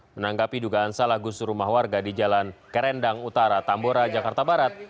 menanggapi dugaan salah gusur rumah warga di jalan kerendang utara tambora jakarta barat